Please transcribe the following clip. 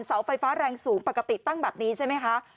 เสาไฟฟ้าแรงสูงปกติตั้งแบบนี้ใช่ไหมคะ